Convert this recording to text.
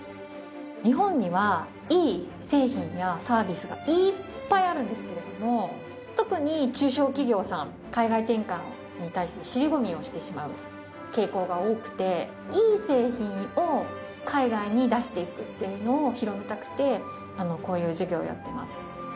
日本にはいい製品やサービスがいーっぱいあるんですけれども特に中小企業さん海外展開に対して尻込みをしてしまう傾向が多くていい製品を海外に出していくっていうのを広めたくてこういう事業をやっています。